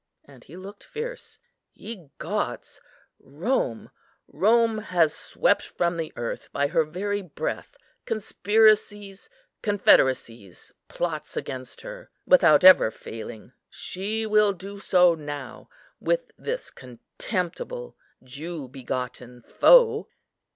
And he looked fierce. "Ye gods! Rome, Rome has swept from the earth by her very breath conspiracies, confederacies, plots against her, without ever failing; she will do so now with this contemptible, Jew begotten foe."